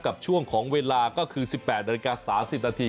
กับช่วงของเวลาก็คือ๑๘นาฬิกา๓๐นาที